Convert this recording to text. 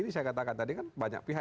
ini saya katakan tadi kan banyak pihak